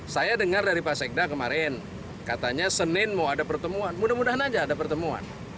saya dengar dari pak sekda kemarin katanya senin mau ada pertemuan mudah mudahan aja ada pertemuan